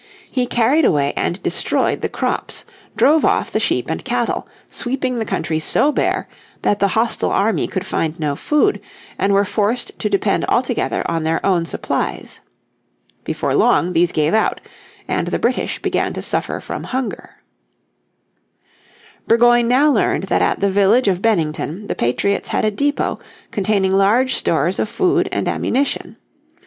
He carried away and destroyed the crops, drove off the sheep and cattle, sweeping the country so bare that the hostile army could find no food, and were forced to depend altogether on their own supplies. Before long these gave out, and the British began to suffer from hunger. Burgoyne now learned that at the village of Bennington the patriots had a depot containing large stores of food and ammunition.